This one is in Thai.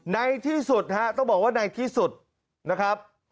ในที่สุดฮะต้องบอกว่าในที่สุดนะครับ